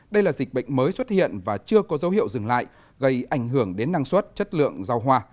đây là dịch bệnh mới xuất hiện và chưa có dấu hiệu dừng lại gây ảnh hưởng đến năng suất chất lượng rau hoa